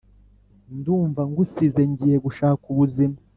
Ndumva ngusize ngiye gushaka ubuzima